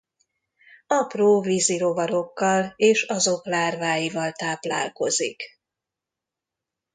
Apró vízi rovarokkal és azok lárváival táplálkozik.